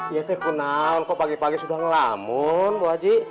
iya teh ku naon kok pagi pagi sudah ngelamun bu haji